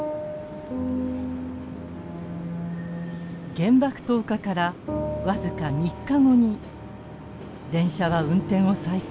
原爆投下から僅か３日後に電車は運転を再開。